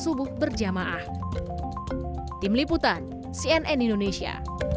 subuh berjamaah tim liputan cnn indonesia